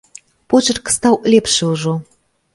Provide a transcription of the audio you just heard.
Почырк стаў лепшы ўжо.